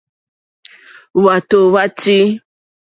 Hwátò hwá tʃǐ.